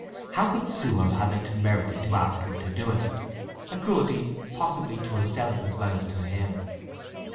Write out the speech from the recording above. How could Sue have had the temerity to ask him to do it—a cruelty possibly to herself as well as to him?